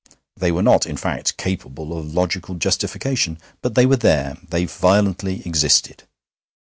They were not, in fact, capable of logical justification; but they were there, they violently existed.